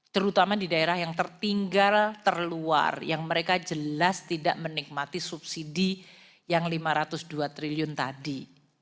terutama di daerah yang tertinggal terluar yang mereka jelas tidak menikmati subsidi yang lima ratus dua triliun tadi